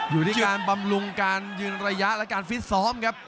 อยู่ที่การบำรุงการยืนระยะและการฟิตซ้อมครับ